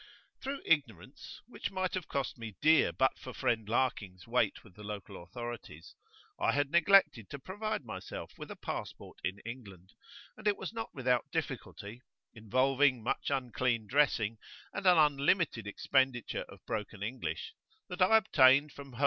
Through ignorance which might have cost me dear but for friend Larking's weight with the local authorities, I had neglected to provide myself with a passport in England, and it was not without difficulty, involving much unclean dressing and an unlimited expenditure of broken English, that I obtained from H.B.